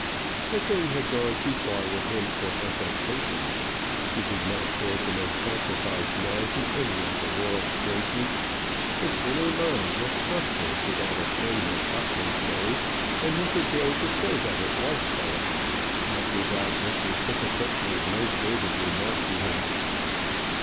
The thing had gone too far with him for affectation. He did not care to make sacrifice now to any of the world's graces. His inner mind was hostile to that attorney of Bucklersbury, and he could dare to show that it was so. After that, Mr. Stickatit made no further remark to him.